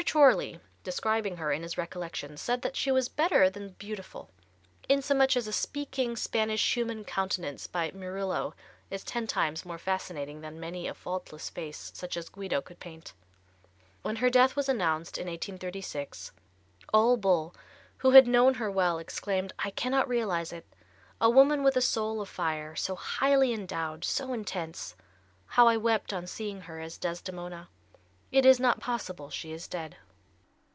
Chorley describing her, in his recollections, said that she was better than beautiful, insomuch as a "speaking Spanish human countenance by Murillo is ten times more fascinating than many a faultless face such as Guido could paint." When her death was announced, in 1836, Ole Bull, who had known her well, exclaimed: "I cannot realize it. A woman with a soul of fire, so highly endowed, so intense. How I wept on seeing her as Desdemona! It is not possible she is dead."